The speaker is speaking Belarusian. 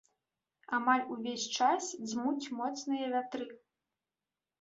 Амаль увесь час дзьмуць моцныя вятры.